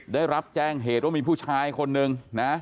ได้รับแจ้งเหตุว่ามีผู้ชายคนนึงนะ